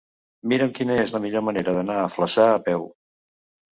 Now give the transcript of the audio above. Mira'm quina és la millor manera d'anar a Flaçà a peu.